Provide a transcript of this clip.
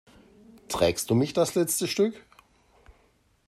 Trägst du mich das letzte Stück?